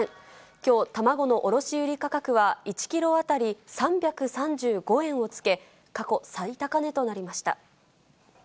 きょう、卵の卸売り価格は１キロ当たり３３５円をつけ、過去最高値となりました。